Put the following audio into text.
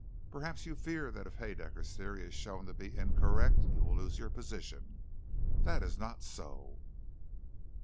Perhaps you fear that if Haedaecker's Theory is shown to be incorrect, you will lose your position. This is not so.